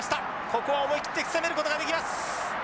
ここは思い切って攻めることができます。